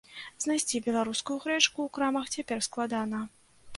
Знайсці беларускую грэчку ў крамах цяпер складана.